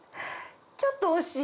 ちょっと惜しい？